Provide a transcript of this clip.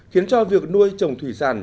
khiến cho việc nuôi trồng thủy sản